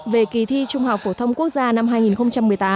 về kỳ thi trung học phổ thông quốc gia năm hai nghìn một mươi tám